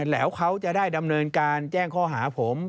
แล้วเขาจะได้ดำเนินการแจ้งข้อหาผม